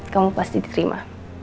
kamu pasti diterima